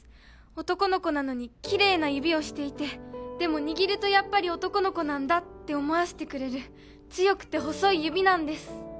男の子なのにキレイな指をしていてでも握るとやっぱり男の子なんだって思わせてくれる強くて細い指なんです